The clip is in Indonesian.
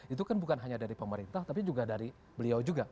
itu kan bukan hanya dari pemerintah tapi juga dari beliau juga